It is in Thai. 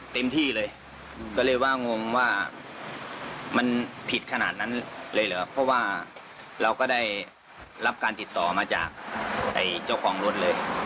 เต็มที่เลยก็เลยว่างงว่ามันผิดขนาดนั้นเลยเหรอเพราะว่าเราก็ได้รับการติดต่อมาจากเจ้าของรถเลย